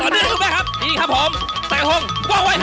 วุ่นวายนะครับสิซ่อมละครับ